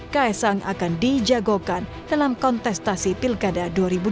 kaisang akan dijagokan dalam kontestasi pilkada dua ribu dua puluh